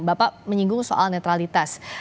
bapak menyinggung soal netralitas